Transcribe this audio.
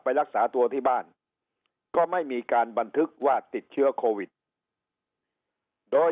รักษาตัวที่บ้านก็ไม่มีการบันทึกว่าติดเชื้อโควิดโดย